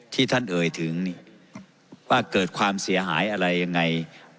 ที่ท่านเอ่ยถึงว่าเกิดความเสียหายอะไรยังไง